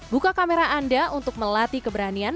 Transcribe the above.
buka kamera anda untuk melatih keberanian